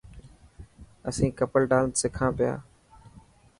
اسين ڪپل ڊانس سکان پيا